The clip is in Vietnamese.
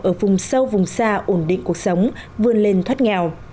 ở vùng sâu vùng xa ổn định cuộc sống vươn lên thoát nghèo